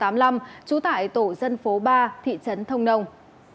trú tại tổ dân phố ba thị trấn thông nông